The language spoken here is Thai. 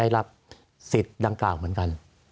สวัสดีครับทุกคน